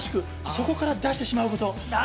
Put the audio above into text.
そこから出してしまうこと。